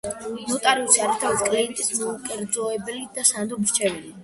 ნოტარიუსი არის თავისი კლიენტის მიუკერძოებელი და სანდო მრჩეველი.